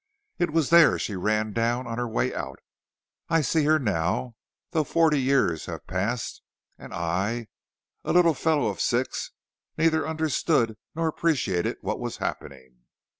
"It was there she ran down on her way out. I see her now, though forty years have passed, and I, a little fellow of six, neither understood nor appreciated what was happening.